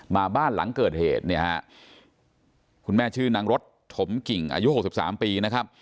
มาบ้านหลังเกิดเหตุคุณแม่ชื่อนางรถถมกิ่งอายุ๖๓ปี